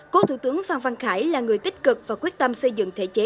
cô thủ tướng phan phan khải là người tích cực và quyết tâm xây dựng thể chế